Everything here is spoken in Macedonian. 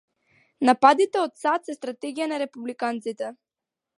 Нападите од САД се стратегија на републиканците